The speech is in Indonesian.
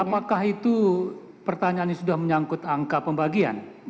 apakah itu pertanyaan yang sudah menyangkut angka pembagian